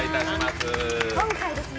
今回ですね